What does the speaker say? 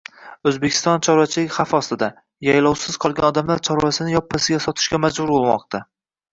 O‘zbekiston chorvachiligi xavf ostida: Yaylovsiz qolgan odamlar chorvasini yoppasiga sotishga majbur bo‘lmoqda